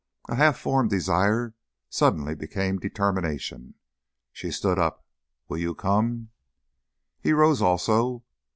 A half formed desire suddenly became determination. She stood up. "Will you come?" He rose also.